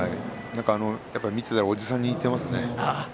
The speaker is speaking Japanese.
見ているとおじさんに似ていますね。